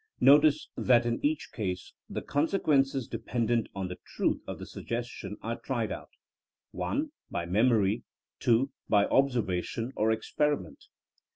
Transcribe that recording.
Notice that in each case the consequences dependent on the truth of the suggestion are tried out (1) by memory, (2) by observation or experiment.